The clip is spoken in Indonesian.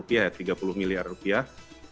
rupiah ya tiga puluh miliar rupiah